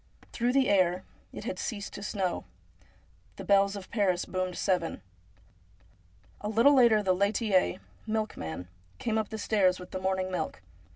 Through the air — it had ceased to snow — the bells of Paris boomed seven. A little later the laitier (milkman) came up the stairs with the morning milk.